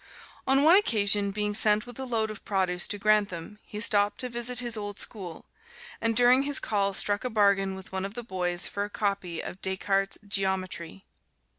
On one occasion, being sent with a load of produce to Grantham, he stopped to visit his old school, and during his call struck a bargain with one of the boys for a copy of Descartes' Geometry.